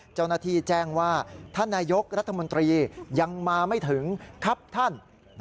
เจ้าหน้าที่แจ้งว่าท่านนายกรัฐมนตรียังมาไม่ถึงครับท่าน